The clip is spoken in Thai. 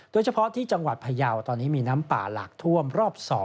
โดยเฉพาะที่จังหวัดพยาวตอนนี้มีน้ำป่าหลากท่วมรอบ๒